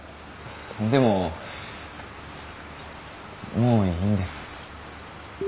でももういいんです。